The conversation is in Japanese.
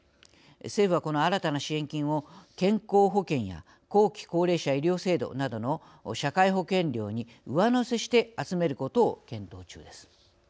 政府はこの新たな支援金を健康保険や後期高齢者医療制度などの社会保険料に上乗せして集めることを検討中です。